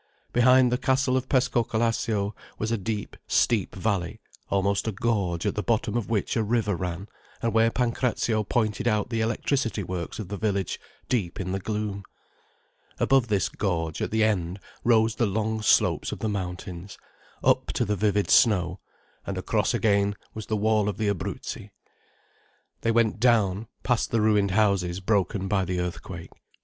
Behind the castle of Pescocalascio was a deep, steep valley, almost a gorge, at the bottom of which a river ran, and where Pancrazio pointed out the electricity works of the village, deep in the gloom. Above this gorge, at the end, rose the long slopes of the mountains, up to the vivid snow—and across again was the wall of the Abruzzi. They went down, past the ruined houses broken by the earthquake.